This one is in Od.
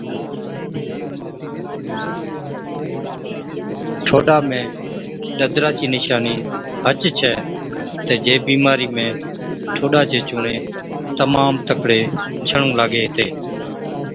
ٺوڏا ۾ ڏَدرا چِي نِشانِي هچ ڇَي تہ جي بِيمارِي ۾ ٺوڏا چي چُونڻي تمام تڪڙي ڇڻُون لاگي هِتي